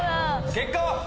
結果は？